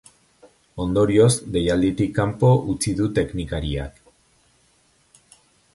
Ondorioz, deialditik kanpo utzi du teknikariak.